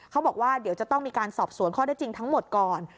เขาบอกว่าเดี๋ยวจะต้องมีการสอบสวนข้อได้จริงทั้งหมดก่อน